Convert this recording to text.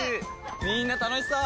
みんな楽しそう！